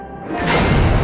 aku akan menang